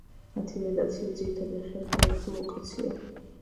მათი ორიენტაციის ძირითადი ხერხია ექოლოკაცია.